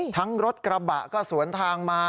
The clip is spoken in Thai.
รถกระบะก็สวนทางมา